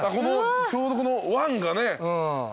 ちょうどこの湾がね。